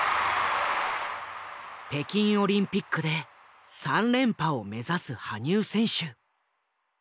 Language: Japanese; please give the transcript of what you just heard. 北京オリンピックで３連覇を目指す羽生選手。